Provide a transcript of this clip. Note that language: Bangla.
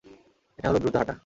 এটা হলো দ্রুত হাটা।